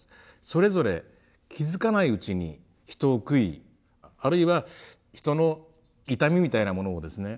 それぞれ気付かないうちに人を食いあるいは人の痛みみたいなものをですね